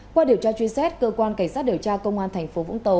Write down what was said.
qua điều tra truy xét cơ quan cảnh sát điều tra công an thành phố vũng tàu